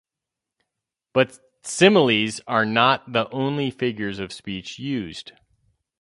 But similes are not the only figures of speech used.